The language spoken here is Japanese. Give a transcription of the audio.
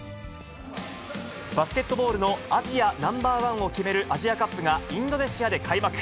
バスケットボールのアジアナンバー１を決めるアジアカップがインドネシアで開幕。